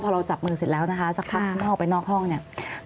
พอเราจับมือเสร็จแล้วนะคะสักพักข้างนอกไปนอกห้องเนี่ย